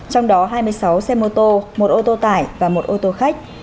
trong đó hai mươi sáu xe mô tô một ô tô tải và một ô tô khách